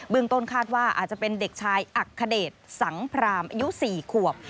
ต้นคาดว่าอาจจะเป็นเด็กชายอักขเดชสังพรามอายุ๔ขวบ